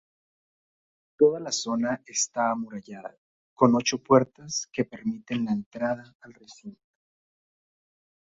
Toda la zona está amurallada, con ocho puertas que permiten la entrada al recinto.